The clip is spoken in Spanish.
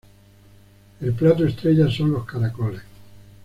El plato estrella son los caracoles.